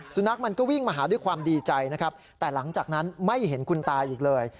สุนัขมันก็วิ่งมาหาด้วยความดีใจนะครับแต่หลังจากนั้นไม่เห็นคุณตาอีกเลย